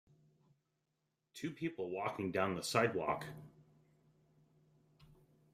Two people walking down the sidewalk.